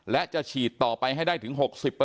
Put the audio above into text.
และจะฉีดต่อไปให้ได้ถึง๖๐